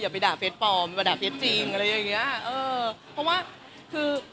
ไปด่าเฟสปลอมมาด่าเฟสจริงอะไรอย่างเงี้ยเออเพราะว่าคือ